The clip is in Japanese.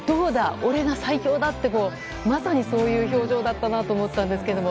俺が最強だ！ってまさに、そういう表情だったなと思ったんですけれども。